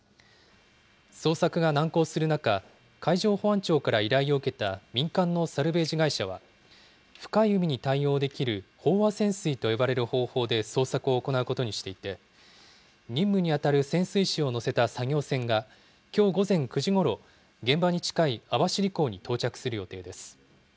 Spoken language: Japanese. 捜索が難航する中、海上保安庁から依頼を受けた民間のサルベージ会社は、深い海に対応できる飽和潜水と呼ばれる方法で捜索を行うことにしていて、任務に当たる潜水士を乗せた作業船が、きょう午前９時ごろ、現場に近い網走港に到着する予定です。